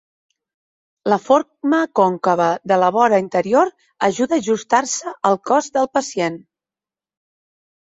La forma còncava de la vora interior ajuda a ajustar-se al cos del pacient.